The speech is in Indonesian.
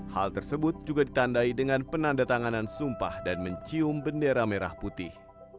hal tersebut juga ditandai dengan penanda tanganan sumpah dan mencium bendera merah putih